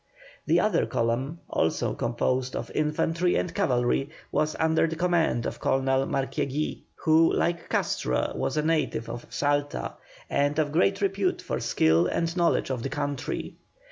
The other column, also composed of infantry and cavalry, was under the command of Colonel Marquiegui, who like Castro was a native of Salta, and of great repute for skill and knowledge of the country.